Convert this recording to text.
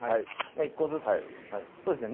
１個ずつそうですね